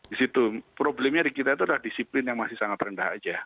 di situ problemnya di kita itu adalah disiplin yang masih sangat rendah saja